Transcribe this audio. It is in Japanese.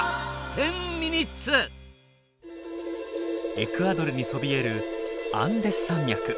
エクアドルにそびえるアンデス山脈。